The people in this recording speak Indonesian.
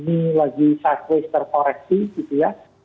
ini lagi sideways terkoreksi gitu ya